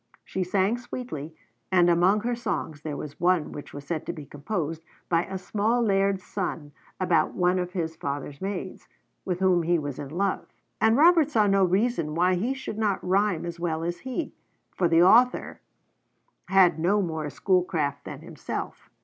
She sang sweetly, and among her songs there was one which was said to be composed by a small laird's son about one of his father's maids, with whom he was in love; and Robert saw no reason why he should not rhyme as well as he, for the author had no more school craft than himself.